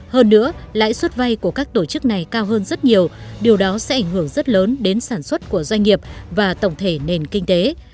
hơn nữa lãi suất vay của các tổ chức này cao hơn rất nhiều điều đó sẽ ảnh hưởng rất lớn đến sản xuất của doanh nghiệp và tổng thể nền kinh tế